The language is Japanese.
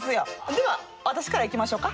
では私からいきましょうか。